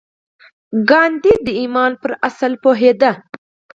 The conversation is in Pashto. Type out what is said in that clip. ګاندي د ايمان پر اصل پوهېده.